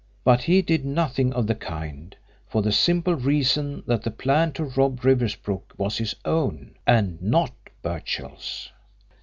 But he did nothing of the kind, for the simple reason that the plan to rob Riversbrook was his own, and not Birchill's.